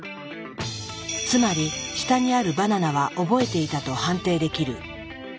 つまり下にあるバナナは覚えていたと判定できる。